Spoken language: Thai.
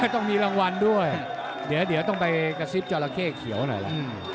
ต้องมีรางวัลด้วยเดี๋ยวต้องไปกระซิบจอราเข้เขียวหน่อยล่ะ